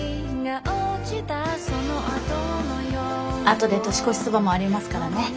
後で年越しそばもありますからね。